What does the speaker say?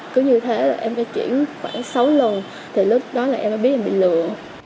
cứ như thế là em phải chuyển khoảng sáu lần thì lúc đó là em đã biết em bị lừa